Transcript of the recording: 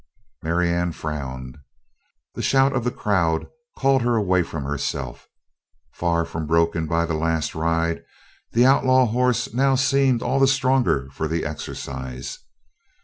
Marianne frowned. The shout of the crowd called her away from herself. Far from broken by the last ride, the outlaw horse now seemed all the stronger for the exercise.